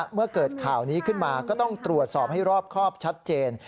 เมื่อเกิดข่าวนี้ขึ้นมาก็ต้องตรวจสอบให้รอบครอบชัดเจน